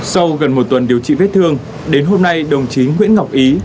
sau gần một tuần điều trị vết thương đến hôm nay đồng chí nguyễn ngọc ý